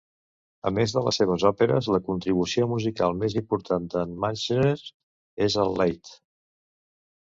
A més de les seves òperes, la contribució musical més important de"n Marschner és el Lied.